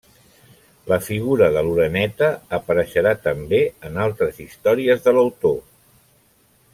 La figura de l'oreneta apareixerà també en altres històries de l'autor.